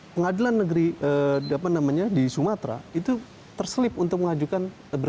pengadilan negeri apa namanya di sumatera itu terselip untuk mengajukan berat